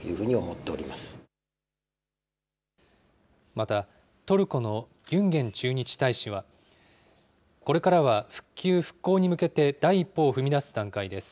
またトルコのギュンゲン駐日大使は、これからは復旧・復興に向けて、第一歩を踏み出す段階です。